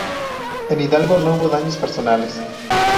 En Hidalgo no hubo daños personales.